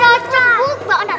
cocok bu buat anak anak